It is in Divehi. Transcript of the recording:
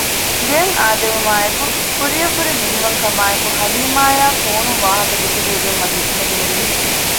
ގެއަށް އާދެވުމާއެކު ކުރިއަށް ވުރެ މިނިވަން ކަމާއެކު ހަލީމައާ ފޯނުން ވާހަކަ ދެކެވޭ ގޮތް މެދުވެރިވި